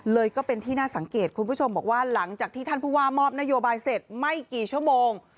ก็เป็นที่น่าสังเกตคุณผู้ชมบอกว่าหลังจากที่ท่านผู้ว่ามอบนโยบายเสร็จไม่กี่ชั่วโมง